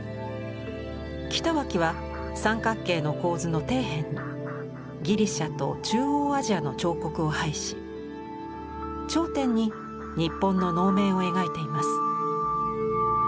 北脇は三角形の構図の底辺にギリシアと中央アジアの彫刻を配し頂点に日本の能面を描いています。